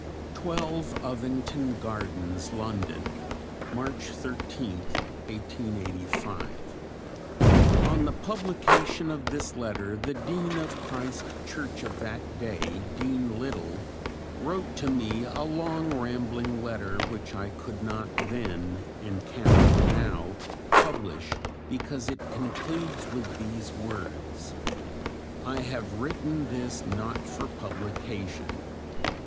12 OVINGTON GARDENS, LONDON, March 13_th_, 1885. On the publication of this letter the Dean of Christ Church of that day, Dean Liddell, wrote to me a long rambling letter which I could not then, and cannot now, publish because it concludes with these words: I have written this not for publication.